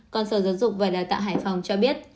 còn sở giáo dục và đào tạo hải phòng cho biết